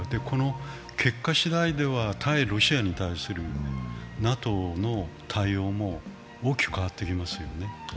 この結果しだいでは対ロシアに対するＮＡＴＯの対応も大きく変わってきますよね。